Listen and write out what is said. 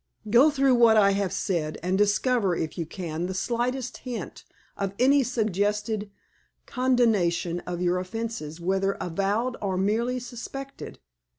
"Go through what I have said, and discover, if you can, the slightest hint of any suggested condonation of your offenses, whether avowed or merely suspected.